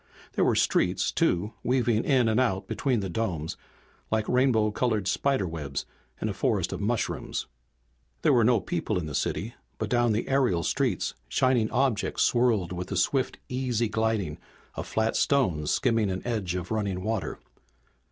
There were streets, too, weaving in and out between the domes like rainbow colored spider webs in a forest of mushrooms. There were no people in the city, but down the aerial streets shining objects swirled with the swift easy gliding of flat stones skimming an edge of running water.